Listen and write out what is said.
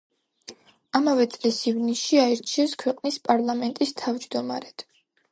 ამავე წლის ივნისში აირჩიეს ქვეყნის პარლამენტის თავჯდომარედ.